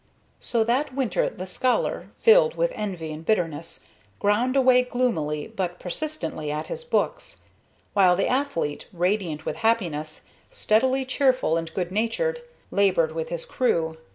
So that winter the scholar, filled with envy and bitterness, ground away gloomily but persistently at his books; while the athlete, radiant with happiness, steadily cheerful and good natured, labored with his crew.